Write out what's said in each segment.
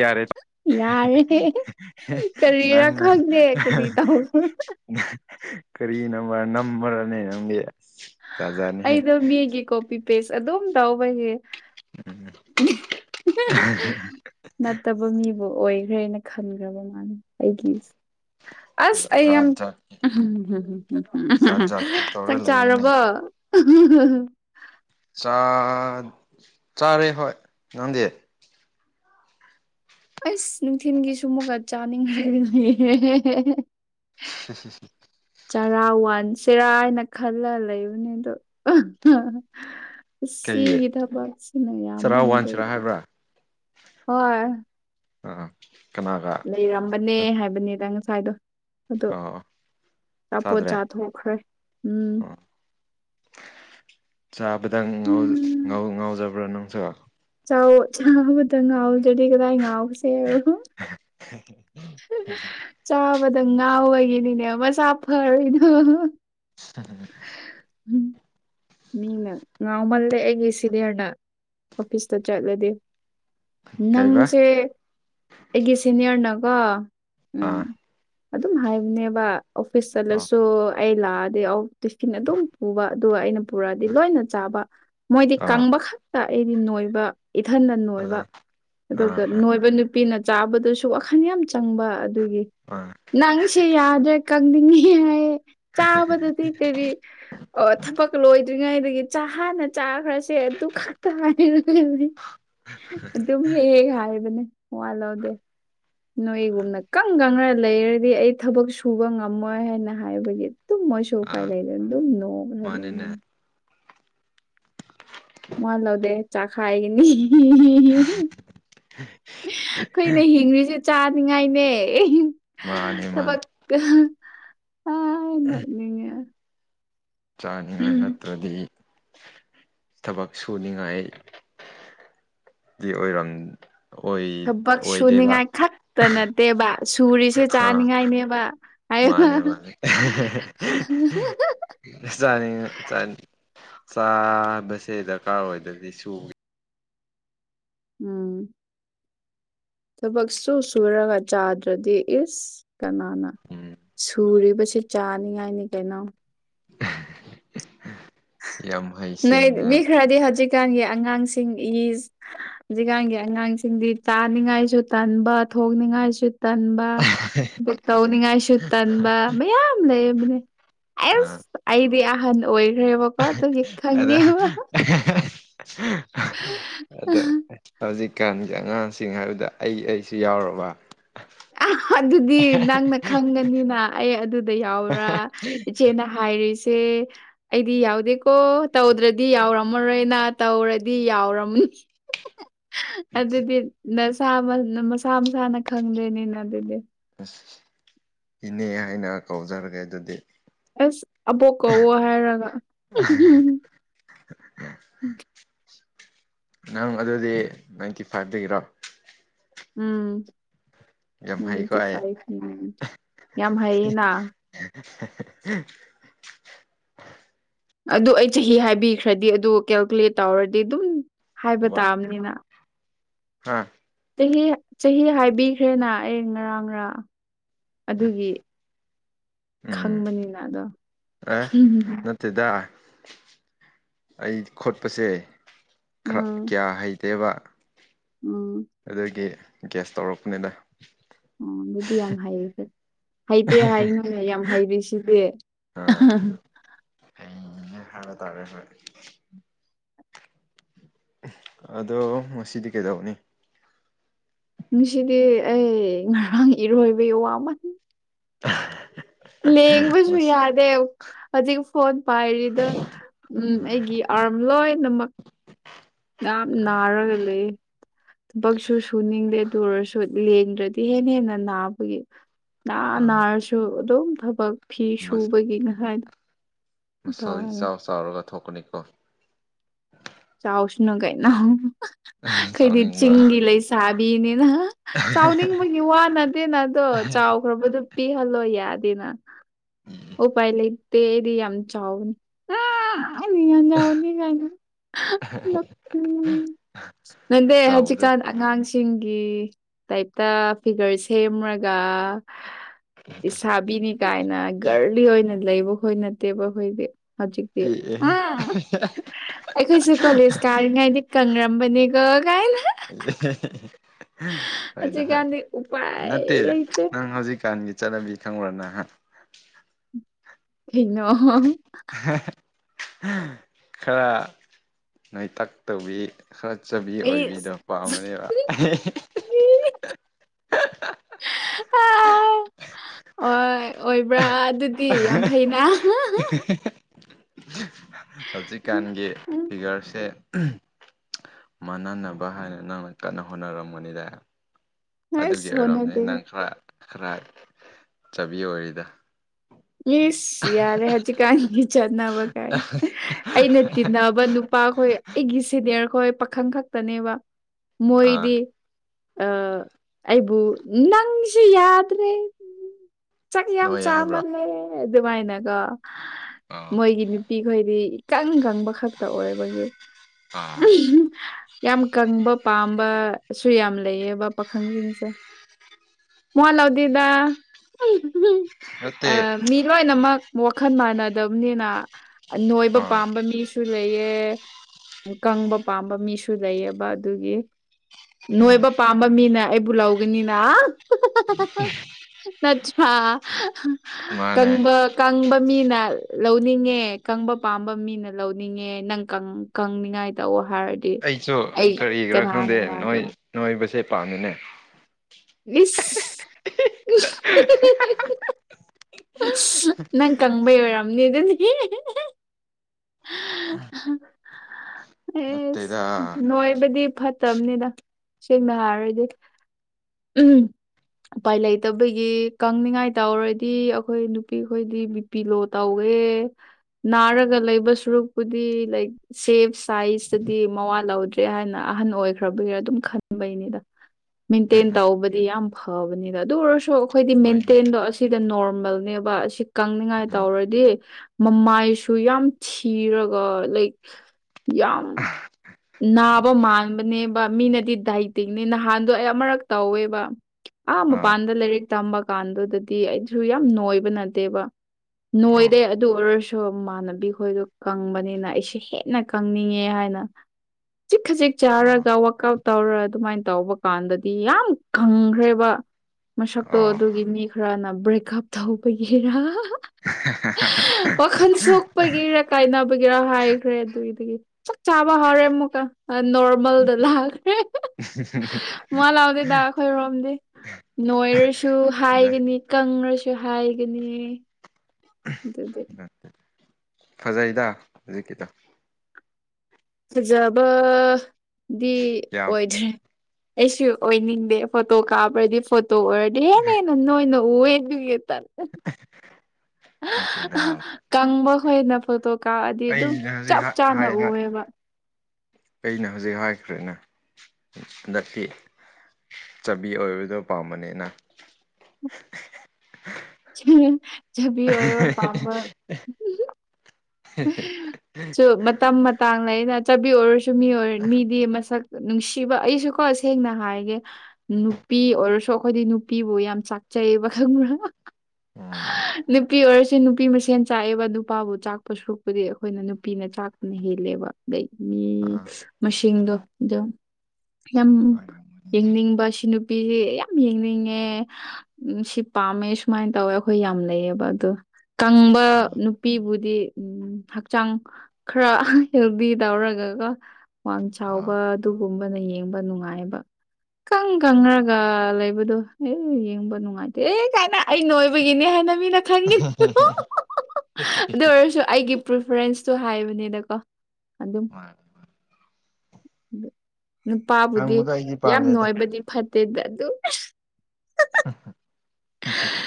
ꯌꯥꯔꯦ ꯌꯥꯔꯦ ꯀꯔꯤꯔꯥ ꯅꯟꯅ ꯈꯪꯗꯦ ꯀꯔꯤ ꯇꯧꯕ꯭ꯔꯥ ꯀꯔꯤꯅꯝꯕ ꯅꯝꯃꯔꯅꯦ ꯅꯪꯒ ꯑꯩꯗꯣ ꯃꯤꯒꯤ ꯀꯣꯄꯤ ꯄꯦꯁ ꯑꯗꯨꯝ ꯇꯧꯕꯒꯤꯦ ꯎꯝ ꯅꯠꯇꯕ ꯃꯤꯕꯨ ꯑꯣꯏ ꯈ꯭ꯔꯦꯅ ꯈꯟꯈ꯭ꯔꯕ ꯃꯥꯂ ꯑꯩꯒꯤ ꯑꯁ ꯑꯩ ꯌꯥꯝ ꯖꯥꯠ ꯖꯥꯠꯀꯤ ꯖꯥꯠ ꯖꯥꯠꯀꯤ ꯇꯧꯔ ꯆꯥꯛ ꯆꯥꯔꯣ ꯂꯩꯔꯦꯅꯦ ꯎ ꯆꯥ ꯆꯥꯔꯦ ꯍꯣꯏ ꯅꯪꯗꯤ ꯑꯁ ꯅꯨꯡꯊꯤꯜꯒꯤ ꯁꯃꯨꯛꯒ ꯆꯥꯅꯤꯡꯉꯦ ꯍ ꯆꯔꯥ ꯋꯥꯟꯁꯤꯔꯥ ꯍꯥꯏꯅ ꯈꯜꯂ ꯂꯩꯕꯅꯦ ꯑꯗꯣ ꯀꯩꯒꯤ ꯁꯤꯍꯤꯗꯥꯕꯥꯗꯁꯤꯅ ꯆꯔꯥ ꯋꯥꯟꯁꯤꯔꯥ ꯌꯥꯝꯃꯟꯕꯩꯗꯤ ꯍꯥꯏꯕ꯭ꯔꯥ ꯍꯣꯏ ꯑ ꯀꯅꯥꯒ ꯅꯦ ꯍꯥꯏꯕꯅꯦꯗ ꯉꯁꯥꯏꯗꯣ ꯑꯗꯣ ꯑꯣ ꯑꯆꯥꯄꯣꯠ ꯆꯥꯗ꯭ꯔꯦ ꯆꯥꯊꯈ꯭ꯔꯦ ꯎꯝ ꯑꯣ ꯆꯥꯕꯗꯪ ꯎꯝ ꯉꯥꯎꯖꯕ꯭ꯔꯥ ꯅꯨꯡꯁ ꯌꯥꯎ ꯆꯥꯕꯨꯗꯪ ꯉꯑꯣ ꯗꯤ ꯀꯗꯥꯏ ꯉꯥꯎꯁꯦ ꯆꯥꯕꯗꯪ ꯉꯥꯎ ꯑꯣꯏꯒꯤꯅꯤꯅꯦ ꯃꯆꯥ ꯐꯔꯣꯏꯅꯣ ꯍ ꯃꯤꯅ ꯉꯥꯎꯃꯜꯂꯦ ꯑꯩꯒꯤ ꯁꯤꯅꯤꯌꯔꯅ ꯑꯣꯐꯤꯁꯇ ꯆꯠꯂꯗꯤ ꯀꯩꯕ ꯅꯪꯁꯦ ꯑꯩꯒꯤ ꯁꯦꯅꯤꯌꯔꯅꯀꯣ ꯎꯝ ꯑꯥ ꯑꯗꯨꯝ ꯍꯥꯏꯕꯅꯦꯕ ꯑꯣꯐꯤꯁ ꯑꯣ ꯆꯠꯂꯁꯨ ꯑꯩ ꯂꯥꯛꯑꯗꯤ ꯑ ꯇꯨꯁꯀꯤꯟ ꯑꯗꯨꯝ ꯄꯨꯕ ꯑꯗꯨꯒ ꯑꯩꯅ ꯄꯨꯔꯛꯑꯗꯤ ꯂꯣꯏꯅ ꯆꯥꯕ ꯃꯣꯏꯗꯤ ꯑꯥ ꯀꯪꯕ ꯈꯛꯇ ꯑꯩꯗꯤ ꯅꯣꯏꯕ ꯏꯊꯟꯗ ꯅꯣꯏꯕ ꯑꯥ ꯑꯗꯨꯒ ꯑꯥ ꯑꯥ ꯅꯣꯏꯕ ꯅꯨ ꯅꯨꯅꯥꯄꯤꯅ ꯆꯥꯕꯗꯨꯁꯨ ꯋꯥꯈꯜ ꯌꯥꯝ ꯆꯪꯕ ꯑꯗꯨꯒꯤ ꯑꯥ ꯅꯪꯁ ꯌꯥꯗ꯭ꯔꯦ ꯅꯤꯡꯉꯤ ꯍꯥꯏꯌꯦ ꯆꯥꯕꯗꯗꯤ ꯀꯗꯤ ꯊꯕꯛ ꯂꯣꯏꯗ꯭ꯔꯤꯉꯩꯗꯒꯤ ꯆ ꯍꯥꯟꯅ ꯆꯥꯈ꯭ꯔꯁꯦ ꯑꯗꯨ ꯈꯛꯇ ꯍꯥꯏꯕꯅꯤ ꯑꯗꯨꯝ ꯍꯦꯛ ꯍꯦꯛ ꯍꯥꯏꯕꯅꯦ ꯋꯥꯠ ꯂꯧꯗꯦ ꯅꯣꯏꯒꯨꯝꯅ ꯀꯪ ꯀꯪꯅ ꯂꯩꯔꯗꯤ ꯑꯩ ꯊꯕꯛ ꯁꯨꯕ ꯉꯝꯃꯣꯏ ꯍꯥꯏꯅ ꯍꯥꯏꯕꯒꯤ ꯇꯨꯝꯃꯁꯨ ꯎ ꯄꯥꯏ ꯂꯩ ꯑꯗꯨ ꯅ ꯂꯩ ꯎ ꯃꯜ ꯂꯗꯦ ꯆꯥ ꯈꯥꯏꯒꯅꯤ ꯑꯩꯈꯣꯏꯅ ꯍꯤꯡꯔꯤꯁꯦ ꯆꯥꯅꯤꯡꯉꯥꯏꯅꯦ ꯃꯥꯅꯦ ꯃꯥꯅꯦ ꯊꯕꯛ ꯑꯅꯤꯡꯉ ꯆꯥꯅꯤꯡꯉꯥꯏ ꯅꯠꯇ꯭ꯔꯗꯤ ꯊꯕꯛ ꯁꯨꯅꯤꯡꯉꯥꯏ ꯒꯤ ꯑꯣꯏꯔꯝ ꯑꯣꯏ ꯊꯕꯛ ꯑꯣꯏꯗꯦꯕ ꯁꯨꯅꯤꯡꯉꯥꯏ ꯈꯛꯇ ꯅꯠꯇꯦꯕ ꯁꯨꯔꯤꯁꯦ ꯑꯥ ꯆꯥꯅꯤꯡꯉꯥꯏꯅꯦꯕ ꯍꯥꯏꯕ ꯃꯥꯅꯦ ꯃꯥꯅꯦ ꯆꯅꯤ ꯆꯅꯤ ꯆꯥꯕꯁꯦ ꯗꯔꯀꯥꯔ ꯑꯣꯏꯗꯗꯤ ꯁꯨ ꯎꯝ ꯊꯕꯛ ꯁꯨ ꯁꯨꯔꯒ ꯆꯥꯗ꯭ꯔꯗꯤ ꯏꯁ ꯀꯅꯥꯅ ꯎꯝ ꯊꯨꯔꯤꯕꯁꯤ ꯆꯥꯅꯤꯉꯥꯏꯅꯤ ꯀꯩꯅꯣ ꯌꯥꯝ ꯅ ꯃꯤ ꯍꯩꯁꯤꯡꯅ ꯈꯔꯗꯤ ꯍꯥꯖꯤꯛ ꯍꯧꯖꯤꯛꯀꯥꯟꯒꯤ ꯑꯉꯥꯡꯁꯤꯡ ꯍꯧꯖꯤꯛꯀꯥꯟꯒꯤ ꯑꯉꯥꯡꯁꯤꯡꯗꯤ ꯆꯥꯅꯤꯡꯉꯥꯏꯁꯨ ꯇꯥꯟꯕ ꯊꯣꯛꯅꯤꯡꯉꯥꯏꯁꯤ ꯇꯟꯕ ꯑ ꯇꯧꯅꯤꯡꯉꯥꯏꯁꯨ ꯇꯟꯕ ꯃꯌꯥꯝ ꯂꯩꯕꯅꯦ ꯑꯥ ꯑꯦꯁ ꯑꯩꯗꯤ ꯑꯍꯟ ꯑꯣꯏꯈ꯭ꯔꯦꯕ ꯑꯗ ꯑꯗ ꯍꯧꯖꯤꯛ ꯍꯧꯖꯤꯀꯥꯟꯒꯤ ꯑꯉꯥꯡꯁꯤꯡ ꯍꯥꯏꯕꯗ ꯑꯩ ꯑꯩꯁꯨ ꯌꯥꯎꯔꯕ ꯑ ꯑꯗꯨꯗꯤ ꯅꯪꯅ ꯈꯪꯒꯅꯤꯅ ꯑꯩ ꯑꯗꯨꯗ ꯌꯥꯎꯔꯥ ꯏꯆꯦꯅ ꯍꯥꯏꯔꯤꯁꯦ ꯁꯦ ꯑꯩꯗꯤ ꯌꯥꯎꯗꯦꯀꯣ ꯇꯧꯗ꯭ꯔꯗꯤ ꯌꯥꯎꯔꯝꯃꯔꯣꯏꯅ ꯇꯧꯔꯗꯤ ꯌꯥꯎꯔꯝꯃꯅꯤ ꯑꯗꯨꯗꯤ ꯅꯁꯥ ꯃꯁꯥ ꯃꯁꯥꯅ ꯈꯪꯗꯦꯅꯤꯅ ꯑꯗꯨꯗꯤ ꯏꯅꯦ ꯍꯥꯏꯅ ꯀꯧꯖꯔꯒꯦ ꯑꯗꯨꯗꯤ ꯑꯁ ꯑꯕꯣꯛ ꯀꯧꯋ ꯍꯥꯏꯔꯒ ꯎꯝ ꯅꯪ ꯑꯗꯨꯗꯤ ꯅꯥꯏꯟꯇꯤ ꯐꯥꯏꯚꯇꯒꯤꯔꯣ ꯎꯝ ꯌꯥꯝ ꯍꯩꯀꯣ ꯅꯥꯏꯟꯇꯤ ꯑꯩ ꯐꯥꯏꯚ ꯍꯟ꯭ꯔꯦ ꯌꯥꯝ ꯍꯥꯏꯌꯦꯅ ꯎꯝ ꯑꯗꯨ ꯑꯩ ꯆꯍꯤ ꯍꯥꯏꯕꯤꯈ꯭ꯔꯗꯤ ꯑꯗꯨ ꯀꯦꯜꯀꯨꯂꯦꯠ ꯇꯧꯔꯗꯤ ꯑꯗꯨꯝ ꯍꯥꯏꯕ ꯇꯥꯕꯅꯤꯅ ꯍꯥꯥ ꯆꯍꯤ ꯆꯍꯤ ꯍꯥꯏꯕꯤꯈ꯭ꯔꯦꯅ ꯑꯩ ꯉꯔꯥꯡ ꯉꯔꯥꯡ ꯑꯗꯨꯒꯤ ꯎꯝ ꯈꯪꯕꯅꯤꯅ ꯑꯗꯣ ꯑꯦ ꯅꯠꯇꯦꯗ ꯑꯩ ꯈꯣꯠꯄꯁꯦ ꯎꯝ ꯀꯌꯥ ꯍꯩꯇꯦꯕ ꯎꯝ ꯑꯗꯨꯒꯤ ꯒ꯭ꯌꯥꯁ ꯇꯧꯔꯛꯄꯅꯤꯗ ꯑꯣ ꯑꯗꯨꯗꯤ ꯌꯥꯝ ꯍꯩꯌꯦ ꯍꯩꯇꯦ ꯍꯥꯏꯅꯣꯅꯦ ꯌꯥꯝ ꯍꯩꯔꯤ ꯁꯤꯗꯤꯦ [unintelligible] ꯍ ꯍꯥꯏꯔꯦ ꯇꯥꯔꯦ ꯐꯣꯏ ꯑꯗꯣ ꯉꯁꯤꯗꯤ ꯀꯩꯗꯧꯕꯅꯤ ꯁꯤꯗꯤ ꯑꯩ ꯉꯔꯥꯡ ꯏꯔꯣꯏꯕꯒꯤ ꯋꯥꯃ [unintelligible] ꯂꯦꯡꯕꯁꯨ ꯃꯁ ꯌꯥꯗꯦ ꯍꯧꯖꯤꯛ ꯐꯣꯟ ꯄꯥꯏꯔꯤꯗ ꯎꯝ ꯑꯩꯒꯤ ꯑꯣꯏꯔꯝꯂꯣꯏ ꯅꯃꯛ ꯌꯥꯝ ꯎꯝ ꯅꯥꯔꯒ ꯂꯩ ꯊꯕꯛꯁꯨ ꯁꯨꯅꯤꯡꯗꯦ ꯑꯗꯨ ꯑꯣꯏꯔꯁꯨ ꯂꯦꯡꯗ꯭ꯔꯗꯤ ꯍꯦꯟꯅ ꯍꯦꯟꯅ ꯅꯥꯕꯒꯤ ꯅꯥ ꯑꯥ ꯅꯥꯔꯁꯨ ꯑꯗꯨꯝ ꯊꯕꯛ ꯐꯤ ꯃꯁ ꯁꯨꯕꯒꯤ ꯉꯥꯏꯅ ꯃꯁꯜ ꯏ ꯆꯥꯎ ꯆꯥꯎꯔꯒ ꯊꯣꯛꯀꯅꯤꯀꯣ ꯆꯥꯎꯥꯎꯁꯅ ꯀꯩꯅ ꯎ ꯍꯥꯏꯩꯗꯤ ꯆꯤꯡꯒꯤ ꯂꯩꯁꯥꯕꯤꯅꯤꯅ ꯆꯥꯎꯅꯤꯡꯕꯒꯤ ꯋꯥꯅꯗꯦꯅ ꯑꯗꯣ ꯆꯥꯎ ꯈꯕꯗꯨ ꯄꯤꯍꯜꯂꯣ ꯌꯥꯗꯦꯅ ꯑꯣ ꯄꯥꯏ ꯂꯩꯇꯗꯤ ꯌꯥꯝ ꯆꯥꯕꯅꯤ ꯅꯤꯖꯎꯗꯤ ꯀꯅꯤ ꯎ ꯅꯗꯦ ꯍꯖꯤ ꯆꯥꯎꯕꯗꯣ ꯀꯥꯡꯁꯤ ꯁꯤꯡꯒꯤ ꯇꯥꯏꯞꯇ ꯐꯤꯒꯔ ꯁꯦꯝꯔꯒ ꯁꯥꯕꯤꯅꯤ ꯀꯥꯏꯅ ꯒꯔꯂꯤ ꯑꯣꯏꯅ ꯂꯩꯕꯈꯣꯏ ꯅꯠꯇꯦꯕꯈꯣꯏꯗꯤ ꯍꯧꯖꯤꯛꯇꯤ ꯑꯦ ꯑꯦ ꯑꯩꯈꯣꯏꯁꯨꯦ ꯀꯣꯂꯦꯖ ꯀꯥꯔꯤꯉꯥꯏꯗꯤ ꯀꯪꯔꯝꯕꯅꯦꯒ ꯀꯥꯏꯅ ꯍꯣꯏꯗ ꯍꯣꯏ ꯍꯧꯖꯤꯛꯀꯥꯟꯗꯤ ꯎꯄꯥꯏ ꯅꯠꯇꯦ ꯂꯩꯇ꯭ꯔꯦ ꯅꯪ ꯍꯧꯖꯤꯛꯀꯥꯟꯒꯤ ꯆꯠꯅꯕꯤ ꯈꯪꯕ꯭ꯔꯅ ꯊꯩꯅꯣ ꯈꯔ ꯅꯣꯏꯇꯥꯛ ꯇꯧꯕꯤ ꯈꯔ ꯆꯕꯤ ꯏꯁ ꯑꯣꯏꯕꯤꯗꯣ ꯄꯥꯝꯕꯅꯦꯕ ꯑ ꯍ ꯑꯣꯏꯕ꯭ꯔꯥ ꯑꯗꯨꯗꯤ ꯌꯥꯝ ꯐꯩꯅꯦ ꯍꯧꯖꯤꯛꯀꯥꯟꯒꯤ ꯐꯤꯒꯔꯁꯦ ꯃꯥꯟꯅꯅꯕ ꯍꯥꯏꯅ ꯅꯪꯅ ꯀꯟꯅ ꯍꯣꯠꯅꯔꯝꯕꯅꯤꯗ ꯑꯗꯨꯒꯤ ꯑꯁ ꯑꯣꯏꯔꯝꯅꯦ ꯍꯣꯠꯅꯗꯦꯗ ꯅꯪ ꯈꯔ ꯈꯔ ꯆꯥꯕꯤ ꯑꯣꯏꯔꯤꯗ ꯃꯤꯁ ꯌꯥꯔꯦ ꯍꯧꯖꯤꯛꯀꯥꯟꯒꯤ ꯆꯠꯅꯕ ꯀꯥꯏ ꯑꯩꯅ ꯇꯤꯟꯅꯕ ꯅꯨꯄꯥ ꯏꯄꯥꯈꯣꯏ ꯑꯩꯒꯤ ꯁꯦꯅꯤꯌꯔꯈꯣꯏ ꯄꯥꯈꯪ ꯈꯛꯇꯅꯦꯕ ꯑꯥ ꯃꯣꯏꯗꯤ ꯑ ꯑꯩꯕꯨ ꯅꯪꯁꯨ ꯌꯥꯗ꯭ꯔꯦ ꯆ ꯌꯥꯝ ꯅꯣꯏ ꯆꯥꯃ ꯍꯥꯏꯕ꯭ꯔꯣ ꯑꯦ ꯑꯗꯨꯃꯥꯏꯅꯀꯣ ꯑꯥ ꯃꯣꯏꯒꯤ ꯅꯨꯄꯤ ꯈꯣꯏꯗꯤ ꯏꯀꯪ ꯈꯪ ꯑꯃꯈꯛꯇ ꯑꯣꯏꯕꯒꯤ ꯑꯥ ꯌꯥꯝ ꯀꯪꯕ ꯄꯥꯝꯕꯁꯨ ꯌꯥꯝ ꯂꯩꯌꯦꯕ ꯄꯥꯈꯪꯁꯤꯡꯁꯦ ꯃꯉ ꯂꯧꯥꯎꯗꯦꯗ ꯅꯠꯇꯦ ꯃꯤ ꯂꯣꯏꯅꯃꯛ ꯋꯥꯈꯜ ꯃꯥꯟꯅꯗꯕꯅꯤꯅ ꯅꯣꯏꯕ ꯑꯥ ꯄꯥꯝꯕ ꯃꯤꯁꯨ ꯂꯩ ꯂꯩꯌꯦ ꯀꯪꯕ ꯄꯥꯝꯕ ꯃꯤꯁꯨ ꯂꯩꯑꯕ ꯑꯗꯨꯒꯤ ꯎꯝ ꯅꯣꯏꯕ ꯄꯥꯝꯕ ꯃꯤꯅ ꯑꯩꯕꯨ ꯂꯧꯒꯅꯤꯅ ꯍꯥ ꯃꯥꯅꯦ ꯀꯪꯝꯕ ꯀꯪꯝꯕ ꯃꯤꯅ ꯂꯧꯅꯤꯡꯉꯦ ꯀꯪꯕ ꯄꯥꯝꯕ ꯃꯤꯅ ꯂꯧꯅꯤꯡꯉꯦ ꯅꯪ ꯀꯪꯅꯤꯡꯉꯥꯏꯗꯑꯣ ꯑꯩꯁꯨ ꯀꯔꯤ ꯈꯔꯥ ꯈꯪꯗꯦ ꯌꯥꯒꯦ ꯅꯣꯏ ꯅꯣꯏꯕꯁꯦ ꯄꯥꯝꯃꯤꯅꯦ ꯃꯤꯅꯤꯁ ꯑꯁ ꯅꯪ ꯀꯪꯕꯩ ꯑꯣꯏꯔꯝꯅꯤ ꯑꯗꯨꯅꯤ ꯑꯦ ꯅꯠꯇꯦꯗ ꯅꯣꯏꯣꯏꯕꯗꯤ ꯐꯠꯇ ꯇꯕꯅꯤꯅ ꯁꯦꯡꯅ ꯍꯥꯏꯥꯔꯣꯏꯗꯤꯦ ꯎꯝ ꯎꯄꯥꯏ ꯂꯩꯇꯕꯒꯤ ꯀꯪꯅꯤꯡꯉꯥꯏ ꯇꯧꯔꯗꯤ ꯑꯩꯈꯣꯏ ꯅꯨꯄꯤꯈꯣꯏꯗꯤ ꯕꯤꯄꯤꯤ ꯂꯣ ꯇꯧꯒꯩ ꯅꯥꯔꯒ ꯂꯩ ꯁꯨꯔꯨꯛꯄꯨꯗꯤ ꯂꯥꯏꯛ ꯁꯦꯞ ꯁꯥꯏꯖꯇꯗꯤ ꯃꯋꯥ ꯂꯧꯗ꯭ꯔꯦ ꯍꯥꯏꯅ ꯑꯍꯟ ꯑꯣꯏꯈ꯭ꯔꯕꯒꯤꯔ ꯑꯗꯨꯝ ꯈꯟꯕꯩꯅꯤꯗ ꯎꯝ ꯃꯦꯟꯇꯦꯟ ꯎꯝ ꯇꯧꯕꯗꯤ ꯌꯥꯝ ꯐꯕꯅꯤꯗ ꯑꯗꯨ ꯑꯣꯏꯔꯁꯨ ꯑꯩꯈꯣꯏꯗꯤ ꯍꯣꯏꯅꯦ ꯃꯦꯟꯇꯦꯟꯗꯣ ꯑꯁꯤꯗ ꯅꯣꯔ ꯅꯣꯔꯃꯦꯜꯅꯦꯕ ꯑꯁꯤ ꯀꯪꯅꯤꯡꯉꯥꯏ ꯎꯝ ꯇꯧꯔꯗꯤ ꯃꯃꯥꯏꯁꯨ ꯌꯥꯝ ꯊꯤꯔꯒ ꯂꯥꯏꯛ ꯌꯥꯝ ꯅꯥꯕ ꯃꯥꯟꯕꯅꯦꯕ ꯃꯤꯅꯗꯤ ꯗꯥꯏꯇꯤꯡꯅꯦ ꯅꯍꯥꯟꯗꯣ ꯑꯩ ꯑꯃꯔꯛ ꯇꯧꯋꯦꯕ ꯑꯥ ꯃꯄꯥꯟꯗ ꯂꯥꯏꯔꯤꯛ ꯇꯝꯕ ꯀꯥꯟꯗꯨꯗꯗꯤ ꯑꯩꯁꯨ ꯌꯥꯝ ꯅꯣꯏꯕ ꯅꯠꯇꯦꯕ ꯑꯣ ꯅꯣꯏꯗꯦ ꯑꯗꯨ ꯑꯣꯏꯔꯁꯨ ꯃꯥꯟꯅꯕꯤ ꯑꯩꯈꯣꯏꯗꯣ ꯀꯪꯕꯅꯤꯅ ꯑꯩꯁꯨ ꯍꯦꯟꯅ ꯀꯪꯅꯤꯡꯉꯦ ꯍꯥꯏꯅ ꯆꯖꯤꯤꯛ ꯈꯖꯤꯤꯛ ꯑꯥ ꯆꯥꯔꯒ ꯋꯥꯋꯔꯥꯛ ꯑꯥꯎꯠ ꯇꯧꯔ ꯑꯗꯨꯃꯥꯏꯅ ꯇꯧꯕ ꯀꯥꯟꯗꯗꯤ ꯌꯥꯝ ꯈꯪꯈ꯭ꯔꯦꯕ ꯃꯁꯛꯇꯣ ꯑꯣ ꯑꯗꯨꯒꯤ ꯃꯤ ꯈꯔꯅ ꯕ꯭ꯔꯦꯛꯑꯞ ꯇꯧꯕꯒꯤꯔꯥ ꯋꯥꯈꯁꯨ ꯀꯣꯏꯒꯤꯔ ꯀꯥꯏꯅꯕꯒꯤꯔ ꯍꯥꯏꯈ꯭ꯔꯦ ꯑꯗꯨꯒꯤꯗꯒꯤ ꯆꯥꯛ ꯆꯥꯕ ꯍꯧꯥꯎꯔꯦ ꯑꯃꯨꯛꯀ ꯅꯣꯔꯃꯦꯜꯗ ꯂ [inaudible] ꯈꯣꯏꯔꯣꯝꯗꯤꯦ ꯅꯣꯏꯔꯁꯨ ꯑꯗ ꯍꯥꯏꯒꯅꯤ ꯀꯪꯉꯁꯨ ꯁꯨ ꯍꯥꯏꯒꯅꯤ ꯑꯗꯨꯗ ꯑꯗꯨ ꯐꯖꯩꯗ ꯍꯧꯖꯤꯛꯀꯤꯗ ꯐꯖꯕ ꯗꯤ ꯌꯥꯝ ꯑꯣꯏꯗ꯭ꯔꯦ ꯑꯩꯁꯨ ꯑꯣꯏꯅꯤꯡꯗꯦ ꯐꯣꯇꯣ ꯀꯥꯞꯕ꯭ꯔꯗꯤ ꯐꯣꯇꯣ ꯑꯣꯏꯔꯗꯤꯅꯦꯦꯟꯅ ꯅꯣꯏ ꯑꯣꯏꯅ ꯎꯑꯦ ꯑꯗꯨꯦ [inaudible] ꯅꯠꯇꯦꯗ ꯀꯪꯕ ꯍꯣꯏꯅ ꯐꯣꯇꯣ ꯀꯥꯗꯤ ꯑꯗꯨꯝ ꯑꯩꯅ ꯍꯧꯖꯤꯛ ꯆꯞ ꯍꯥꯏ ꯆꯥꯅ ꯍꯥꯏ ꯎꯑꯦꯕ ꯑꯩꯅ ꯍꯧꯖꯤꯛ ꯍꯥꯏꯈ꯭ꯔꯦꯅ ꯅꯠꯇꯦ ꯆꯥꯕꯤ ꯑꯣꯏꯔꯣꯏꯗꯕ ꯄꯥꯝꯕꯅꯤꯅ ꯆꯕꯤ ꯑꯣꯏꯕ ꯄꯥꯝꯕ ꯁꯨ ꯃꯇꯝ ꯃꯇꯥꯡ ꯂꯩꯅ ꯆꯠꯕꯤ ꯑꯣꯏꯔꯁꯨ ꯃꯤ ꯑꯣꯏꯔ ꯃꯤꯗꯤ ꯃꯁꯛ ꯅꯨꯡꯁꯤꯕ ꯑꯩꯁꯨꯀꯣ ꯁꯦꯡꯅ ꯍꯥꯏꯒꯦ ꯅꯨꯄꯤ ꯑꯣꯏꯔꯁꯨ ꯑꯩꯈꯣꯏꯗꯤ ꯅꯨꯄꯤꯕꯨ ꯌꯥꯝ ꯆꯥꯛ ꯆꯩꯕ ꯈꯪꯕ꯭ꯔꯥ ꯎꯝ ꯅꯨꯄꯤ ꯑꯣꯏꯔꯁꯨ ꯅꯨꯄꯤ ꯃꯁꯦꯟ ꯆꯥꯛꯑꯦꯕ ꯅꯨꯄꯥꯕꯨ ꯆꯥꯛ ꯄꯣꯠꯁꯨꯄꯨꯗꯤ ꯑꯩꯈꯣꯏꯅ ꯅꯨꯄꯤꯅ ꯆꯥꯛꯇꯅ ꯍꯦꯜꯂꯦꯕ ꯑꯗꯩ ꯃꯤ ꯑꯥ ꯃꯁꯤꯡꯗꯣ ꯑꯗꯨꯝ ꯌꯥꯝ ꯑꯣꯏꯔꯝꯒꯅꯤꯗ ꯌꯦꯡꯅꯤꯡꯕ ꯁꯤ ꯅꯨꯄꯤꯁꯤ ꯌꯥꯝ ꯌꯦꯡꯅꯤꯡꯉꯦ ꯁꯤ ꯄꯥꯝꯃꯦ ꯁꯨꯃꯥꯏꯅ ꯇꯧꯋꯦ ꯑꯩꯈꯣꯏ ꯌꯥꯝ ꯂꯩꯌꯦꯕ ꯑꯗꯣ ꯀꯪꯕ ꯎꯝ ꯅꯨꯄꯤꯕꯨꯗꯤ ꯎꯝ ꯍꯛꯆꯥꯡ ꯈꯔ ꯍꯦꯜꯗꯤ ꯇꯎꯔꯒꯒ ꯋꯥꯡ ꯑꯥ ꯆꯥꯎꯕ ꯑꯗꯨꯒꯨꯝꯕꯅ ꯌꯦꯡꯕ ꯅꯨꯡꯉꯥꯏꯕ ꯀꯪ ꯈꯪ꯭ꯔꯒ ꯂꯩꯕꯗꯣ ꯍ ꯌꯦꯡꯕ ꯅꯨꯡꯉꯥꯏꯇꯦ ꯑꯦ ꯀꯥꯏꯅ ꯑꯩ ꯅꯣꯏꯕꯒꯤꯅꯤ ꯍꯥꯏꯅ ꯃꯤꯅ ꯈꯪꯉ ꯑꯗꯨ ꯑꯣꯏꯔꯁꯨ ꯑꯩꯒꯤ ꯄ꯭ꯔꯤꯐꯔꯦꯟꯁꯇꯣ ꯍꯥꯏꯕꯅꯤꯗꯀꯣ ꯑꯗꯨꯝ ꯃꯥꯅꯤ ꯅꯨꯄꯥꯕꯨꯗꯤ ꯀꯪꯕꯗꯣ ꯑꯩꯗꯤ ꯌꯥꯝ ꯄꯥꯝꯗꯦꯗ ꯅꯨꯡꯉꯥꯏꯕꯗꯤ ꯐꯠꯇꯦꯗ ꯑꯗꯨ ꯑ ꯑ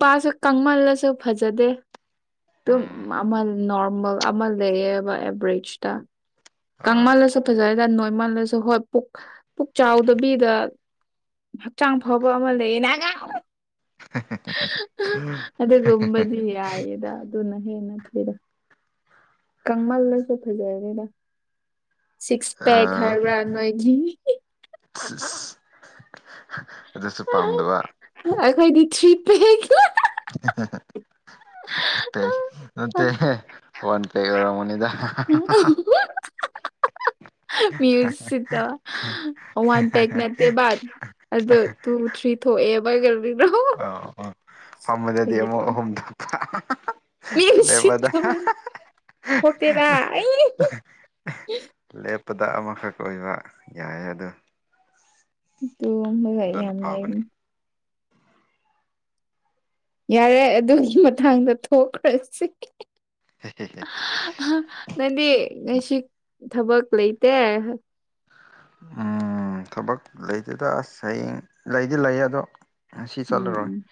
ꯅꯨꯄꯥꯁꯨ ꯀꯪꯃꯜꯂꯁꯨ ꯐꯖꯗꯦ ꯑꯗꯨꯝ ꯎꯝ ꯅꯃꯦ ꯑꯃ ꯂꯩꯕ ꯑꯦꯕꯔꯦꯖꯇ ꯑꯥ ꯀꯃꯜꯁꯨ ꯐꯖ ꯃꯜꯂꯁꯨ ꯍꯣꯏ ꯄꯨꯛ ꯄꯨꯛ ꯆꯥꯎꯗꯕꯤꯗ ꯍꯛꯆꯥꯡ ꯐꯥꯎꯕ ꯑꯃ ꯂꯩꯌꯦꯅ ꯑꯗ ꯀꯝꯕꯗꯤ ꯍꯥꯏꯗ ꯑꯗꯨꯅ ꯍꯦꯟꯅ ꯐꯗ ꯀꯃꯜꯗꯁꯨ ꯐꯖꯔꯦꯗ ꯁꯤꯛꯁ ꯄꯦꯛ ꯑꯥ ꯍꯥꯏꯕ꯭ꯔꯥ ꯅꯣꯏꯒꯤ ꯑꯗꯨꯁꯨ ꯄꯥꯝꯗꯕ ꯄ [unintelligible] ꯠꯇꯦ ꯐꯟ ꯄ ꯑꯣꯏꯔ ꯃꯅꯤꯗ [unintelligible] ꯃ꯭ꯌꯨ ꯁꯤꯠꯇ ꯋꯥꯟ ꯄꯦꯛ ꯅꯠꯇꯦ ꯕꯥꯠ ꯑꯗꯣ ꯇꯨ ꯊ꯭ꯔꯤ ꯊꯣꯛꯑꯦꯕ ꯀꯔꯤꯅꯣ ꯑ ꯐꯗꯗꯤꯃꯣ ꯑꯣꯍꯨꯝꯗ ꯃꯤꯁꯤ ꯊꯥꯕꯅꯤ ꯍꯇꯦꯔ ꯄꯗ ꯑꯃꯈꯛ ꯑꯣꯏꯕ ꯌꯥꯏ ꯑꯣ ꯇꯣ ꯃ ꯌꯥꯝ ꯂꯩ ꯐꯕꯅꯦ ꯌꯥꯔꯦ ꯑꯗꯨꯒꯤ ꯃꯇꯥꯡꯗ ꯊꯣꯛꯈ꯭ꯔꯁꯤ ꯅꯗꯤ ꯉꯁꯤ ꯊꯕꯛ ꯂꯩꯇꯦ ꯎꯝ ꯊꯕꯛ ꯂꯩꯗꯨꯗ ꯑꯁ ꯍꯌꯦꯡ ꯂꯩꯗꯤ ꯂꯩ ꯑꯗꯣ ꯉꯁꯤ ꯆꯠꯂꯔꯣꯏ ꯎꯝ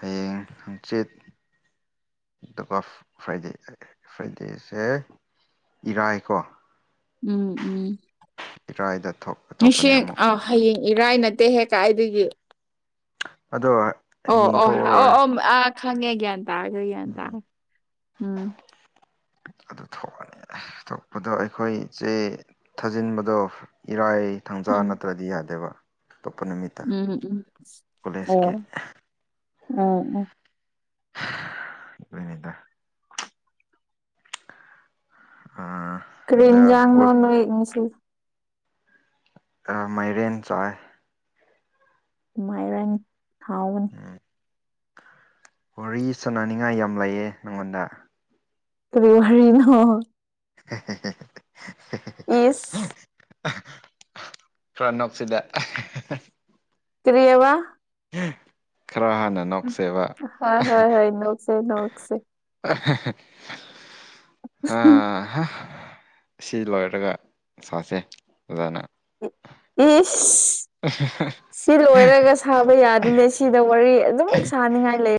ꯍꯌꯦꯡ ꯍꯪꯆꯤꯠ ꯑꯗꯨꯒ ꯐ꯭ꯔꯥꯏꯗꯦ ꯐ꯭ꯔꯥꯏꯗꯦꯁꯦ ꯏꯔꯥꯏꯀꯣ ꯎꯝ ꯎꯝ ꯏꯔꯥꯏꯗ ꯊꯣꯛꯀꯅꯤ ꯃꯤꯁꯦꯡ ꯑꯃꯨꯛ ꯑ ꯍꯌꯦꯡ ꯏꯔꯥꯏꯅ ꯠꯇ ꯍꯦꯛ ꯀꯥꯏꯗꯒꯤ ꯑꯗꯣ ꯑꯣ ꯑꯣ ꯑꯣ ꯌꯦꯡꯊꯣꯛꯎꯔꯣꯏ ꯑꯣ ꯑ ꯈꯪꯉꯦ ꯒ꯭ꯌꯥꯟ ꯇꯥꯔꯒꯣꯏ ꯒ꯭ꯌꯥꯟ ꯎꯝ ꯇꯥꯔꯦ ꯎꯝ ꯑꯗꯨ ꯊꯣꯛꯑꯅꯤ ꯊꯣꯛꯣꯛꯄꯗꯣ ꯑꯩꯈꯣꯏ ꯏ ꯆꯦ ꯊꯥꯖꯤꯟꯕꯗꯣ ꯏꯔꯥꯏ ꯊꯥꯡꯖꯥ ꯎꯝ ꯅꯠꯇ꯭ꯔꯗꯤ ꯌꯥꯗꯦꯕ ꯑꯇꯣꯞꯄ ꯅꯨꯃꯤꯠꯇ ꯎꯝ ꯎꯝ ꯀꯣꯂꯦꯖꯀꯤ ꯑꯣ ꯎꯝ ꯎꯝ ꯏꯅꯤꯗ ꯑꯗ ꯀ꯭ꯔꯤꯝꯖꯥꯥꯡꯅꯁꯤ ꯃꯥꯏꯔꯦꯟ ꯆꯥꯏ ꯃꯥꯏꯔꯦꯟ ꯊꯥꯎꯟ ꯎꯝ ꯋꯥꯔꯤ ꯁꯥꯟꯅꯅꯤꯡꯉꯥꯏ ꯌꯥꯝ ꯂꯩꯑ ꯅꯪꯉꯣꯟꯗ ꯀ ꯋꯥꯔꯤꯅ [inaudible] ꯏꯁ ꯔꯅꯞꯁꯤꯗ ꯀꯔꯤꯌꯥ ꯋꯥ ꯈꯔ ꯍꯥꯟꯅ ꯅꯣꯛꯁꯦꯕ ꯍꯣꯏ ꯍꯣꯏ ꯍꯣꯏ ꯅꯣꯛꯁꯦ ꯅꯣꯛꯁꯦ ꯑꯥ ꯁꯤ ꯂꯣꯏꯔꯒ ꯁꯥꯁꯦ ꯑꯣꯖꯥꯅ ꯎ ꯎꯝ ꯑ ꯁꯤ ꯂꯣꯏꯔꯒ ꯁꯥꯕ ꯌꯥꯗꯤꯅꯦ ꯁꯤꯗ ꯋꯥꯔꯤ ꯑꯗꯨꯝ ꯁꯥꯅꯤꯡꯉꯥꯏ ꯂꯩ